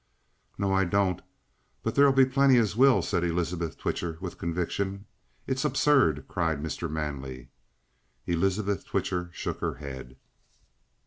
"No, I don't. But there'll be plenty as will," said Elizabeth Twitcher with conviction. "It's absurd!" cried Mr. Manley. Elizabeth Twitcher shook her head.